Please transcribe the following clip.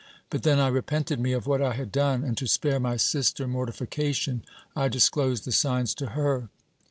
But then I repented me of what I had done, and to spare my sister mortification, I disclosed the signs to her.